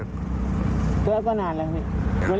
ก็นานแล้วมันเคลียร์กันแล้วค่ะ